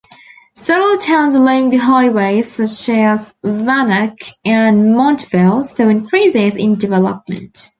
Several towns along the highway, such as Wanaque and Montville, saw increases in development.